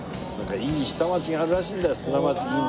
いい下町があるらしいんだよ。